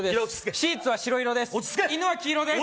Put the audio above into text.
シーツは白色です